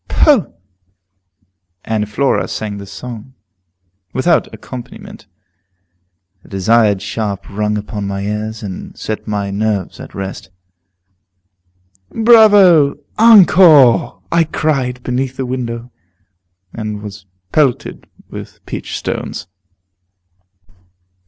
"Poh!" And Flora sang the song, without accompaniment. The desired sharp rung upon my ears, and set my nerves at rest. "Bravo! Encore!" I cried, beneath the window, and was pelted with peach stones.